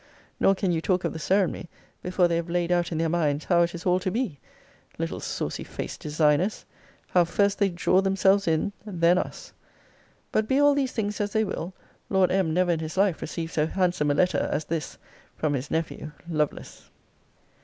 Nor can you talk of the ceremony, before they have laid out in their minds how it is all to be. Little saucy faced designers! how first they draw themselves in, then us! But be all these things as they will, Lord M. never in his life received so handsome a letter as this from his nephew LOVELACE.